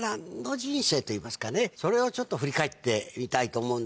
といいますかねそれをちょっと振り返ってみたいと思うんですが。